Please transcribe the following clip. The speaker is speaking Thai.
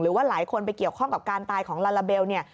หรือว่าหลายคนไปเกี่ยวข้องกับการตายของลาลาเบลเนี่ย